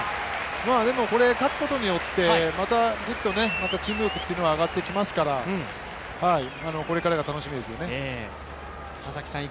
でも、これ勝つことによって、またチーム力がグッと上ってきますから、これからが楽しみですよね。